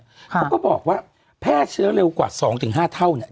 เขาก็บอกว่าแพร่เชื้อเร็วกว่า๒๕เท่าเนี่ย